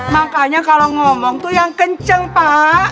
makanya kalau ngomong tuh yang kenceng pak